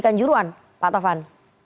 kanjuruhan pak tovan